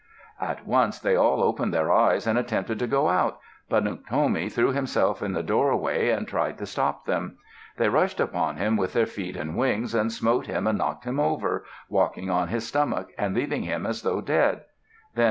At once they all opened their eyes and attempted to go out. But Unktomi threw himself in the doorway and tried to stop them. They rushed upon him with their feet and wings, and smote him and knocked him over, walking on his stomach, and leaving him as though dead.